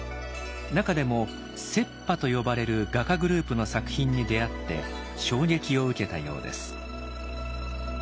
中でも「浙派」と呼ばれる画家グループの作品に出会って衝撃を受けたようです。